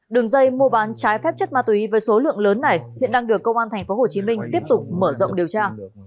đường dây mua bán trái phép chất ma túy với số lượng lớn này hiện đang được công an tp hcm tiếp tục mở rộng điều tra